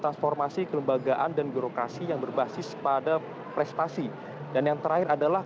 transformasi kelembagaan dan birokrasi yang berbasis pada prestasi dan yang terakhir adalah